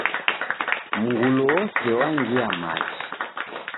Mngulu wose wangia machi.